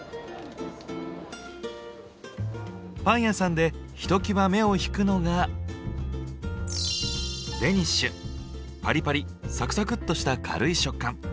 パン屋さんでひときわ目を引くのがパリパリサクサクッとした軽い食感。